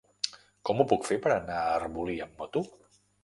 Com ho puc fer per anar a Arbolí amb moto?